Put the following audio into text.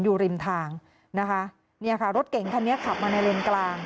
อยู่ริมทางรถเก่งคันนี้ขับมาในเลนกลาง